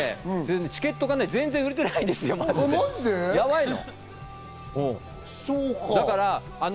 チケットが全然売れてないんですよ、マジで、やばいの。